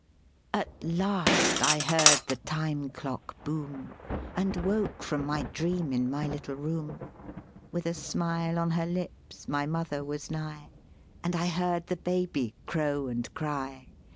At last I heard the Time Clock boom, And woke from my dream in my little room; With a smile on her lips my Mother was nigh, And I heard the baby crow and cry.